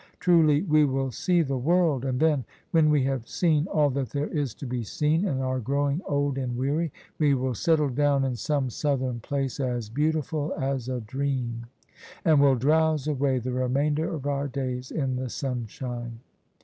Truly we will see the world. And then, when we have seen all that there is to be seen and are growing old and weary, we will settle down in some southern place, as beautiful as a dream, and will drowse away the remainder of our days in the sunshine."